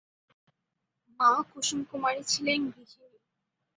মা কুসুম কুমারী ছিলেন গৃহিণী।